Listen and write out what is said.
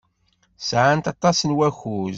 Sɛant aṭas n wakud.